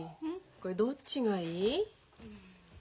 これどっちがいい？